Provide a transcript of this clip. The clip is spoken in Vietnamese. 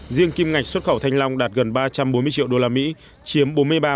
riêng kim ngạch xuất khẩu thanh long đạt gần ba trăm bốn mươi triệu đô la mỹ chiếm bốn mươi ba